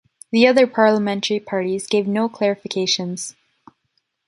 The other parliamentary parties gave no clarifications.